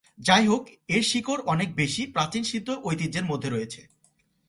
যাইহোক, এর শিকড় অনেক বেশি প্রাচীন সিদ্ধ ঐতিহ্যের মধ্যে রয়েছে।